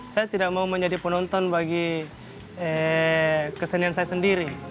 saya tidak mau menjadi penonton bagi kesenian saya sendiri